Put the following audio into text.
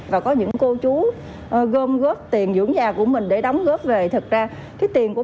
ba mươi năm mươi và có những cô chú gom góp tiền dưỡng già của mình để đóng góp về thật ra cái tiền của